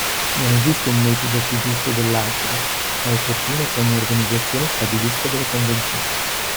Non esiste un metodo più giusto dell'altro, ma è opportuno che ogni organizzazione stabilisca delle convenzioni.